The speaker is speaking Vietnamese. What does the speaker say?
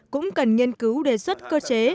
cũng cần nghiên cứu đề xuất cơ chế